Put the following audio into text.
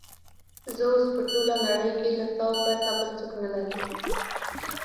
زه اوس په ټوله نړۍ کې له تا پرته بل څوک نه لرم.